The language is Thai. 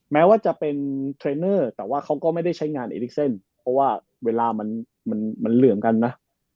แม้ว่าจะเป็นเทรนเนอร์แต่ว่าเขาก็ไม่ได้ใช้งานเอลิกเซนเพราะว่าเวลามันเหลื่อมกันนะ